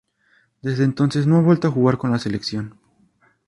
Desde entonces no ha vuelto a jugar con la Selección.